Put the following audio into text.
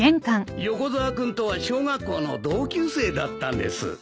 横沢君とは小学校の同級生だったんです。